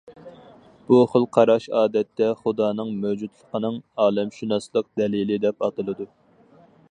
بۇ خىل قاراش ئادەتتە خۇدانىڭ مەۋجۇتلۇقىنىڭ ئالەمشۇناسلىق دەلىلى دەپ ئاتىلىدۇ.